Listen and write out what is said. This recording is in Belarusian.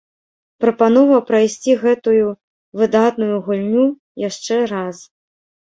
Прапанова прайсці гэтую выдатную гульню яшчэ раз!